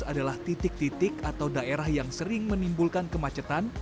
adalah titik titik atau daerah yang sering menimbulkan kemacetan